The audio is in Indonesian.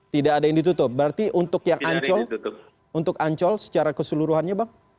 tidak ada yang ditutup berarti untuk yang ancol untuk ancol secara keseluruhannya bang